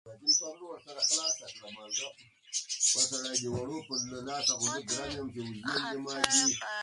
مور د ماشومانو د غاښونو د پاکولو په وخت پوهیږي.